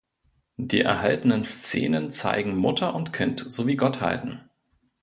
Die erhaltenen Szenen zeigen Mutter und Kind sowie Gottheiten.